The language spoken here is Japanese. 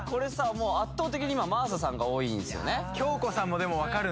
もう圧倒的に今真麻さんが多いんすよね